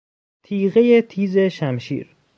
تیغهی تیز شمشیر